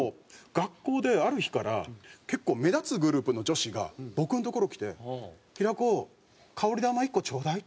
学校である日から結構目立つグループの女子が僕のところ来て「平子香り玉１個ちょうだい」。